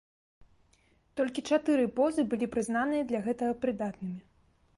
Толькі чатыры позы былі прызнаныя для гэтага прыдатнымі.